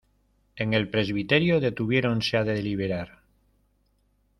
en el presbiterio detuviéronse a deliberar.